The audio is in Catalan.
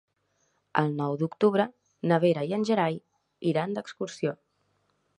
El nou d'octubre na Vera i en Gerai iran d'excursió.